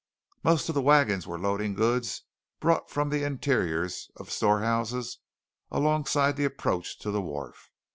Most of the wagons were loading goods brought from the interiors of storehouses alongside the approach to the wharf.